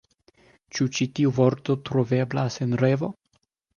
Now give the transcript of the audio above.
Ĉu ĉi tiu vorto troveblas en ReVo?